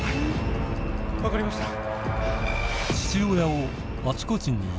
分かりました。